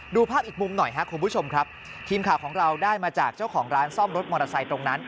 ภาพอีกมุมหน่อยครับคุณผู้ชมครับทีมข่าวของเราได้มาจากเจ้าของร้านซ่อมรถมอเตอร์ไซค์ตรงนั้น